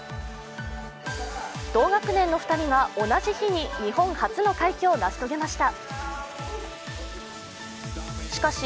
同学年の２人が同じ日に日本初の快挙を成し遂げました。